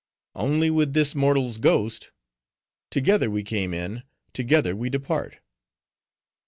"Only with this mortal's ghost:—together we came in, together we depart."